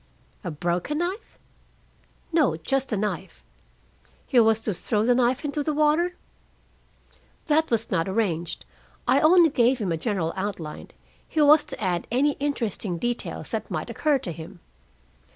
"A broken knife?" "No. Just a knife." "He was to throw the knife into the water?" "That was not arranged. I only gave him a general outline. He was to add any interesting details that might occur to him.